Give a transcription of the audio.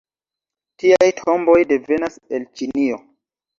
Tiaj tomboj devenas el Ĉinio.